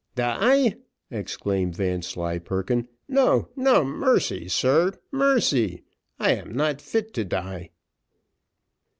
"Die!" exclaimed Vanslyperken, "no no mercy, sir mercy. I am not fit to die."